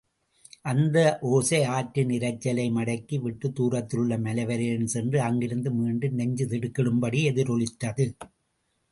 அந்த ஓசை ஆற்றின் இரைச்சலையும் அடக்கி விட்டுத் தூரத்திலுள்ள மலைவரையிலும் சென்று, அங்கிருந்து மீண்டும் நெஞ்சு திடுக்கிடும்படி எதிரொலித்தது.